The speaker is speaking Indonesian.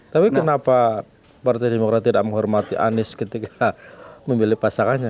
tapi kenapa partai demokrat tidak menghormati anies ketika memilih pasangannya